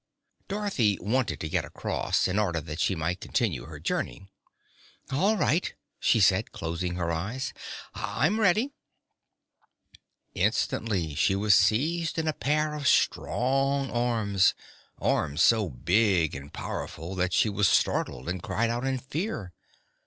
Dorothy wanted to get across, in order that she might continue her journey. "All right," she said, closing her eyes; "I'm ready." Instantly she was seized in a pair of strong arms arms so big and powerful that she was startled and cried out in fear.